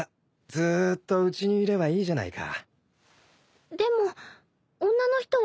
ずーっとうちにいればいいじゃないか。